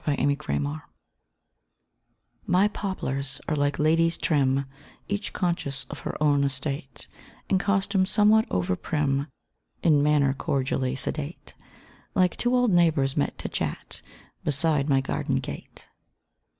THE POPLARS My poplars are like ladies trim, Each conscious of her own estate; In costume somewhat over prim, In manner cordially sedate, Like two old neighbours met to chat Beside my garden gate.